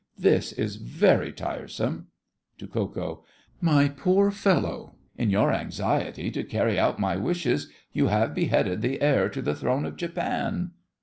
this is very tiresome. (To Ko Ko.) My poor fellow, in your anxiety to carry out my wishes you have beheaded the heir to the throne of Japan!